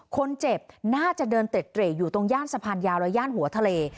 คนเจ็บน่าจะเดินเต็ดเตร่อยู่ตรงย่านสะพานยาวและย่านหัวทะเล